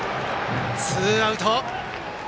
ツーアウト。